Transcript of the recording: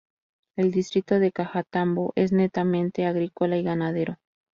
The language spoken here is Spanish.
El distrito de Cajatambo es netamente agrícola y ganadero.